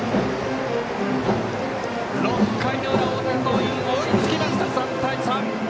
６回の裏、大阪桐蔭追いつきました、３対３！